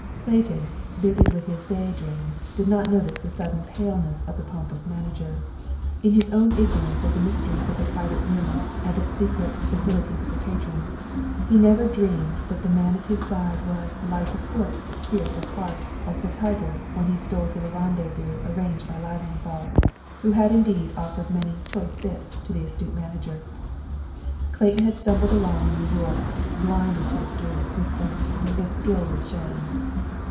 Clayton, busied with his day dreams, did not notice the sudden paleness of the pompous manager. In his own ignorance of the mysteries of the "private room" and its secret "facilities for patrons," he never dreamed that the man at his side was "light of foot, fierce at heart" as the tiger when he stole to the rendezvous arranged by Lilienthal, who had indeed offered many "choice bits" to the astute manager. Clayton had stumbled along in New York, blinded to its dual existence, its gilded shams.